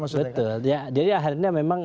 betul jadi akhirnya memang